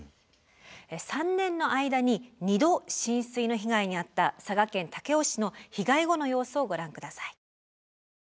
３年の間に２度浸水の被害にあった佐賀県武雄市の被害後の様子をご覧下さい。